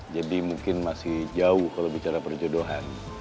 jadi mungkin masih jauh kalau bicara perjodohan